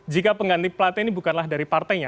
jika pengganti platnya ini bukanlah dari partainya